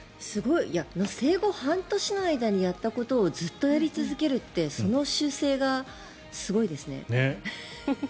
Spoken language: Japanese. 生後半年の間にやったことをずっとやり続けるってその習性がすごいですね。